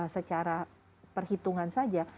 secara perhitungan saja